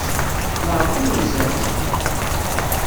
Leɛmeṛ i wen-zerrgen?